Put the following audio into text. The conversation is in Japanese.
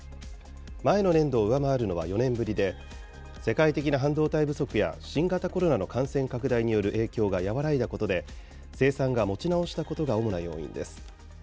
前の年度を上回るのは４年ぶりで、世界的な半導体不足や新型コロナの感染拡大による影響が和らいだことで、生産が持ち直したことが主な要因です。